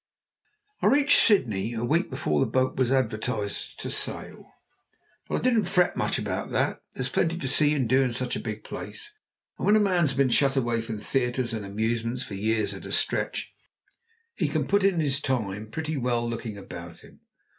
I reached Sydney a week before the boat was advertised to sail, but I didn't fret much about that. There's plenty to see and do in such a big place, and when a man's been shut away from theatres and amusements for years at a stretch, he can put in his time pretty well looking about him.